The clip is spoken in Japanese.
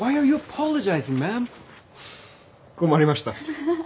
困りました。